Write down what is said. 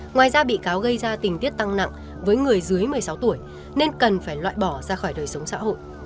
ngoài ra bị cáo gây ra tình tiết tăng nặng với người dưới một mươi sáu tuổi nên cần phải loại bỏ ra khỏi đời sống xã hội